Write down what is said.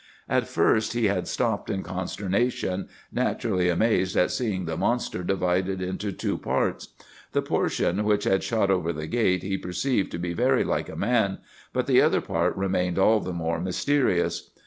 "'At first he had stopped in consternation, naturally amazed at seeing the monster divided into two parts. The portion which had shot over the gate he perceived to be very like a man; but the other part remained all the more mysterious.